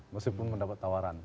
meskipun mendapat tawaran